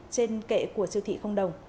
trên kệ của siêu thị không đồng